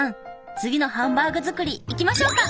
次のハンバーグ作り行きましょうか！